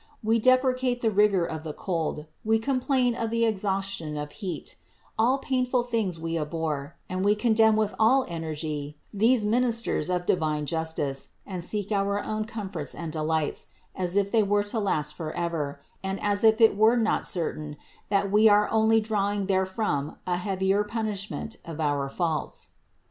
We depre cate the rigor of the cold, we complain of the exhaustion of heat; all painful things we abhor, and we condemn with all energy these ministers of divine justice and seek our own comforts and delights, as if they were to last forever and as if it were not certain that we are only drawing therefrom a heavier punishment of our faults.